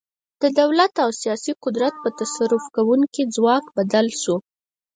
د دولت او سیاسي قدرت په تصرف کوونکي ځواک بدل شو.